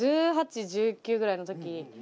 １８１９ぐらいの時。